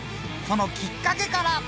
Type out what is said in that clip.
そのきっかけから。